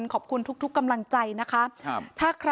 ขอบคุณทุกกำลังใจนะคะ